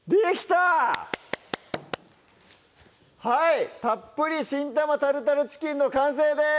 「たっぷり新玉タルタルチキン」の完成です